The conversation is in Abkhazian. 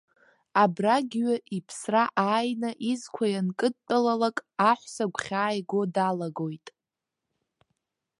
Абрагьҩы иԥсра ааины изқәа ианкыдтәалалак, аҳәса гәхьааиго далагоит.